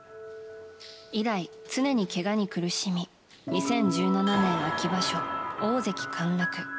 以来、常にけがに苦しみ２０１７年秋場所大関陥落。